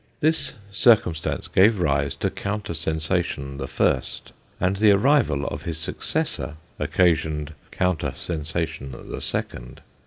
This cir cumstance gave rise to counter sensation the first ; and the arrival of his successor occasioned counter sensation the second.